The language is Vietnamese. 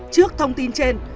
trước thông tin trên